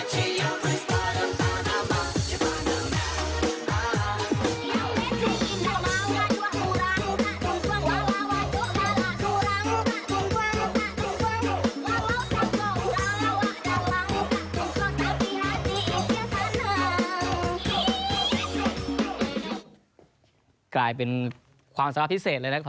กลายเป็นความสามารถพิเศษเลยนะครับ